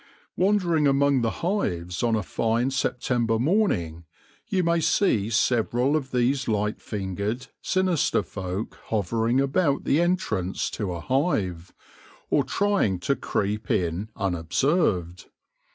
Wandering among the hives on a fine September morning, you may see several of these light fingered, sinister folk hovering about the entrance to a hive, or trying to creep in unobserved.